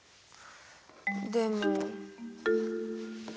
でも。